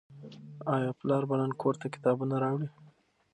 آیا پلار به نن کور ته کتابونه راوړي؟